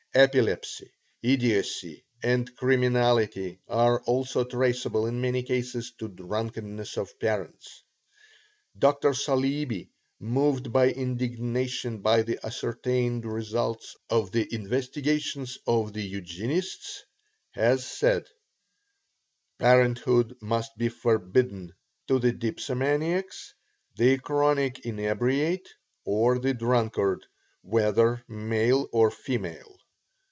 Epilepsy, idiocy, and criminality are also traceable in many cases to drunkenness of parents. Dr. Saleeby, moved by indignation by the ascertained results of the investigations of the Eugenists, has said: "Parenthood must be forbidden to the dipsomaniac, the chronic inebriate, or the drunkard, whether male or female."